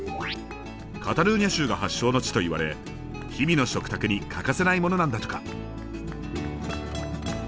カタルーニャ州が発祥の地といわれ日々の食卓に欠かせないものなんだとか。